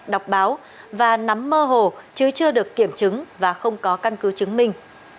đọc báo và nắm mơ hồ chứ chưa được kiểm chứng và không có căn cứ chứng minh